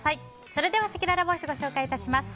それでは、せきららボイスご紹介致します。